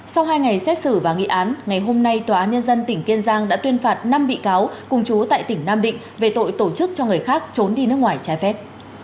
sau hai ngày xét xử và nghị án ngày hôm nay tòa án nhân dân tỉnh kiên giang đã tuyên phạt năm bị cáo cùng chú tại tỉnh nam định về tội tổ chức cho người khác trốn đi nước ngoài trái phép